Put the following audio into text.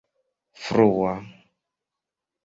frua